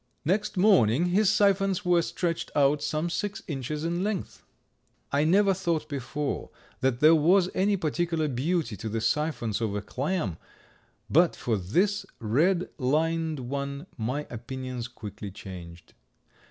"Next morning his siphons were stretched out some six inches in length. I never thought before that there was any particular beauty to the siphons of a clam, but for this red lined one my opinions quickly changed.